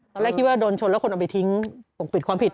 ตอนแรกคิดว่าโดนชนแล้วคนเอาไปทิ้งปกปิดความผิด